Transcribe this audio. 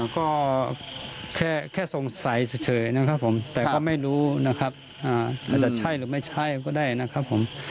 ก็แค่สงสัยเฉยนะครับผมแต่ก็ไม่รู้นะครับอาจจะใช่หรือไม่ใช่ก็ได้นะครับผม